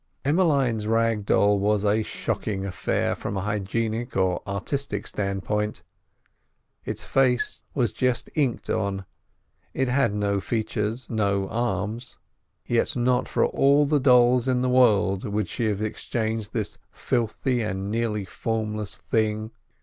Emmeline's rag doll was a shocking affair from a hygienic or artistic standpoint. Its face was just inked on, it had no features, no arms; yet not for all the dolls in the world would she have exchanged this filthy and nearly formless thing.